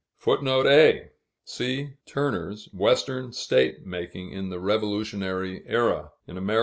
[Footnote A: See Turner's "Western State Making in the Revolutionary Era," in _Amer.